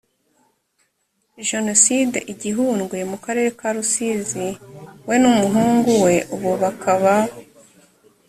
jenoside i gihundwe mu karere ka rusizi we n umuhungu we ubu bakaba